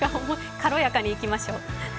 軽やかにいきましょう。